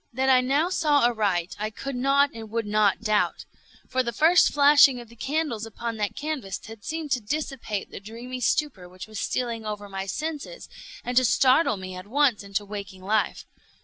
That I now saw aright I could not and would not doubt; for the first flashing of the candles upon that canvas had seemed to dissipate the dreamy stupor which was stealing over my senses, and to startle me at once into waking life.